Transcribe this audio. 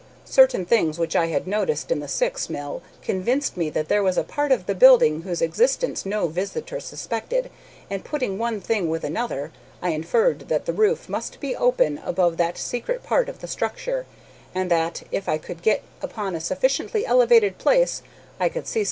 Certain things which I had noticed in the Syx mill convinced me that there was a part of the building whose existence no visitor suspected, and, putting one thing with another, I inferred that the roof must be open above that secret part of the structure, and that if I could get upon a sufficiently elevated place I could see something of what was hidden there.